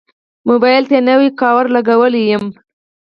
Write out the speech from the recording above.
موبایل ته نوی کوور لګولی یم.